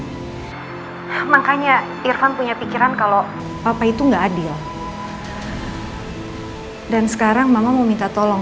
hai makanya irfan punya pikiran kalau apa itu enggak adil dan sekarang mama mau minta tolong